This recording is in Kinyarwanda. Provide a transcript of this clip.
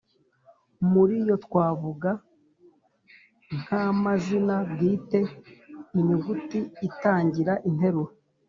muri yo twavuga nk’amazina bwite, inyuguti itangira interuro